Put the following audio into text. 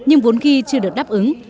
nhưng vốn khi chưa được đáp ứng